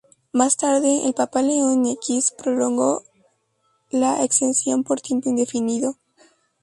Más tarde, el papa León X, prolongó la exención por tiempo indefinido.